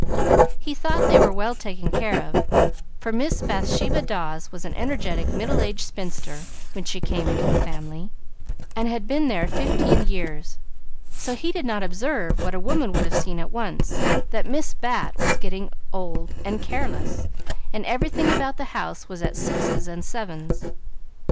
He thought they were well taken care of, for Miss Bathsheba Dawes was an energetic, middle aged spinster when she came into the family, and had been there fifteen years, so he did not observe, what a woman would have seen at once, that Miss Bat was getting old and careless, and everything about the house was at sixes and sevens.